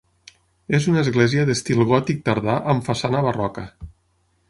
És una església d'estil gòtic tardà amb façana barroca.